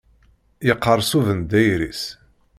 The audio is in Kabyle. Yeqqerṣ ubendayer-is.